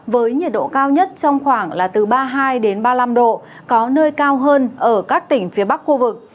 với nhiệt độ cao nhất trong khoảng là từ ba mươi hai ba mươi năm độ có nơi cao hơn ở các tỉnh phía bắc khu vực